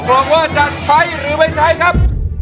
หวังว่าจะใช้หรือไม่ใช้ครับ